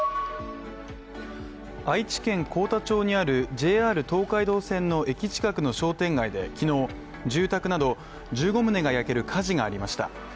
愛知県幸田町にあるＪＲ東海道線の駅の近くの商店街で、昨日、住宅など１５棟が焼ける火事がありました。